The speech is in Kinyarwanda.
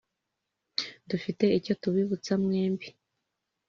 dufite icyo tubibutsa mwembi.